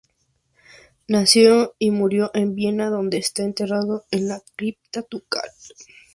Nació y murió en Viena, donde está enterrado en la Cripta Ducal.